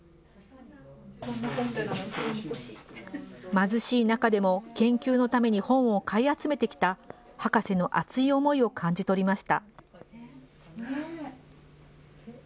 貧しい中でも研究のために本を買い集めてきた博士の熱い思いを感じ取りました。